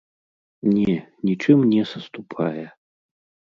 Не, нічым не саступае!